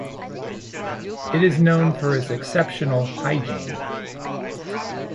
It is known for its exceptional hygiene.